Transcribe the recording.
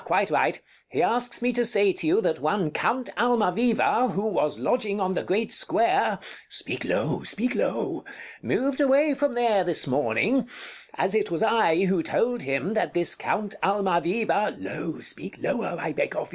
quite right: he asks me to say to you that one Count Almaviva, who was lodging on the great square Bartolo [frightened] Speak low, speak low. Count [louder] moved away from there this morning. As it was I who told him that this Count Almaviva Bartolo Low, speak lower, I beg of you.